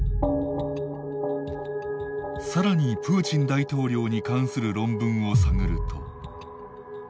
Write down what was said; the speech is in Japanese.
さらにプーチン大統領に関する論文を探ると。